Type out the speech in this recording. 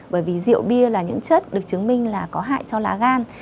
bởi vì rượu bia là những chất được chứng minh là có hại cho lá gan